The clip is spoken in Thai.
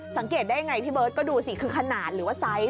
สังเกตได้ยังไงพี่เบิร์ตก็ดูสิคือขนาดหรือว่าไซส์